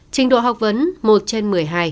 trình độ học vấn một trên một mươi hai